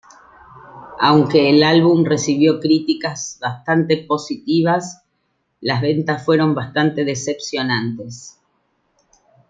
Aunque el álbum recibió críticas bastante positivas, las ventas fueron bastante decepcionantes.